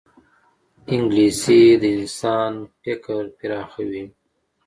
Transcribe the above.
انګلیسي د انسان فکر پراخوي